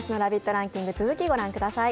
ランキング、続きを御覧ください。